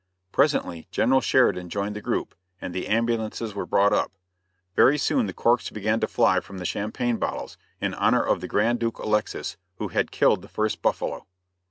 Presently General Sheridan joined the group, and the ambulances were brought up. Very soon the corks began to fly from the champagne bottles, in honor of the Grand Duke Alexis, who had killed the first buffalo.